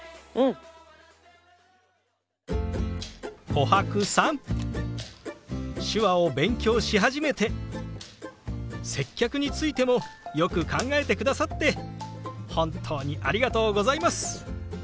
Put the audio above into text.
コハクさん手話を勉強し始めて接客についてもよく考えてくださって本当にありがとうございます！